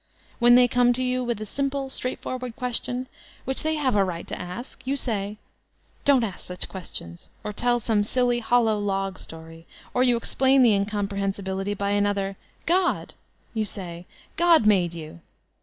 When they come to you with a simple, straight forward question, which they have a right to ask, you say, ''Don't ask such questions/' or tell some silly hollow log story; or you explain the incomprehensibility by another— <jod ! You say "God made you."